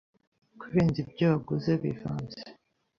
kurenza ibyo waguze bivanze